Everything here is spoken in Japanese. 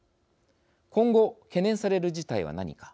今後、懸念される事態は何か。